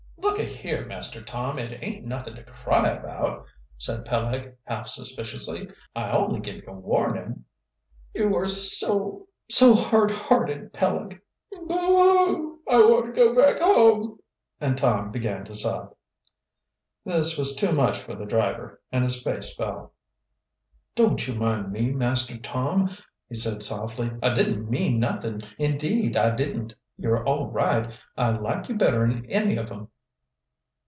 "Look a here, Master Tom, it ain't nothin' to cry about," said Peleg half suspiciously. "I only give you warnin' " "You are so so hard hearted, Peleg. Boohoo! I want to go back home!" And Tom began to sob. This was too much for the driver, and his face fell. "Don't you mind me, Master Tom," he said softly. "I didn't mean nothin', indeed, I didn't. You're all right. I like you better'n any of 'em."